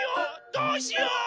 どうしよう！